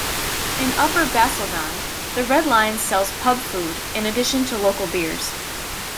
In Upper Basildon, the Red Lion sells pub food in addition to local beers.